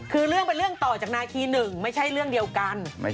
คือเรื่องเป็นเรื่องต่อจากนาทีหนึ่งไม่ใช่เรื่องเดียวกัน